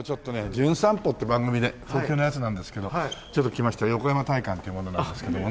『じゅん散歩』って番組で東京のやつなんですけどちょっと来ました横山大観っていう者なんですけどもね。